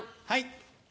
はい。